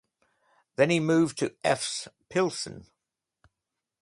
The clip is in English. Then he moved to Efes Pilsen.